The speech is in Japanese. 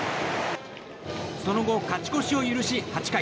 その後、勝ち越しを許し８回。